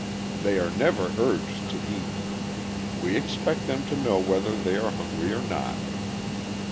"'They are never urged to eat. We expect them to know whether they are hungry or not.